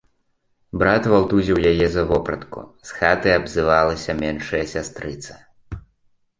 Брат валтузіў яе за вопратку, з хаты абзывалася меншая сястрыца.